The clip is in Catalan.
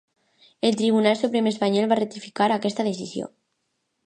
El Tribunal Suprem espanyol va ratificar aquesta decisió.